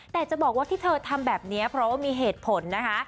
แต่จะบอกว่าที่เธอทำแบบนี้เพราะว่ามีเหตุผลนะคะ